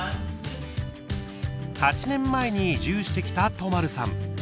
８年前に移住してきた都丸さん。